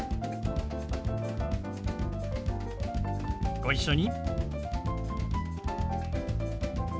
ご一緒に。